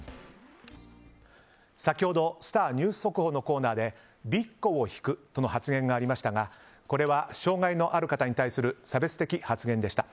先ほどスター☆ニュース速報のコーナーで「びっこをひく」との発言がありましたがこれは障害のある方に対する差別的発言でした。